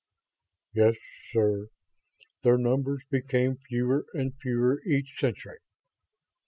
"Yes, sir. Their numbers became fewer and fewer each century."